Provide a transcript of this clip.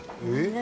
何？